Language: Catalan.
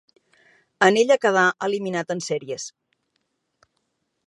En ella quedà eliminat en sèries.